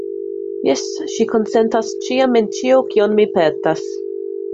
Jes, ŝi konsentas ĉiam en ĉio, kion mi petas.